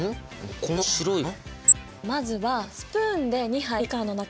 この白い粉？